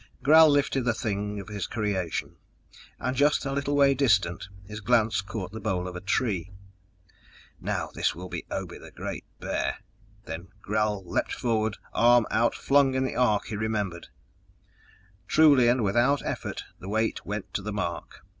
Gral lifted the thing of his creation ... and just a little way distant, his glance caught the bole of a tree. Now this will be Obe the Great Bear ... then Gral leapt forward, arm outflung in the arc he remembered. Truly and without effort the weight went to the mark.